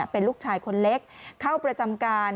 เป็นลูกชายคนเล็กเข้าประจำการ